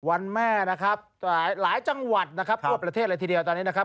วันแม่หลายจังหวัดทั่วประเทศเลยทีเดียวตอนนี้